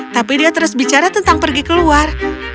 tapi dia terus bicara tentang pergi keluar